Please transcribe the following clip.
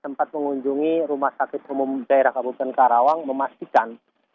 sempat mengunjungi rumah sakit umum daerah kabupaten karawang memastikan